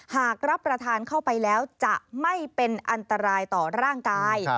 หากรับประทานเข้าไปแล้วจะไม่เป็นอันตรายต่อร่างกาย